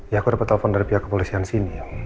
ya aku dapat telepon dari pihak kepolisian sini